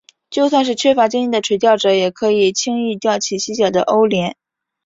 就算是缺乏经验的垂钓者也可以轻易钓起细小的欧鲢。